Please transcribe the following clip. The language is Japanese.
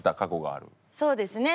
そうですね。